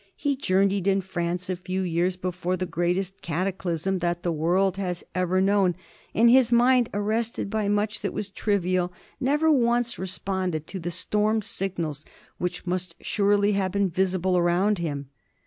He journeyed in France a few years before the greatest cataclysm that the world has ever known, and his mind, arrested by much that was trivial, never once responded to the storm signals which must surely have been visible around him.